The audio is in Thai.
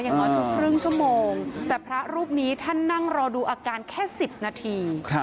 อย่างน้อยทุกครึ่งชั่วโมงแต่พระรูปนี้ท่านนั่งรอดูอาการแค่๑๐นาที